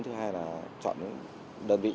thứ hai là chọn đơn vị